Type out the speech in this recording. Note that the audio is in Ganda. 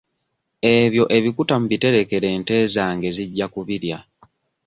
Ebyo ebikuta mubiterekere ente zange zijja kubirya.